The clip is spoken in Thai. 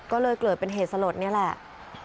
ก็เลยเกิดเป็นเหตุสลดนี่แหละ